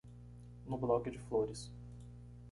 No blog de flores